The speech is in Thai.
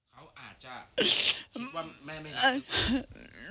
เขาอาจจะคิดว่าแม่ไม่รับ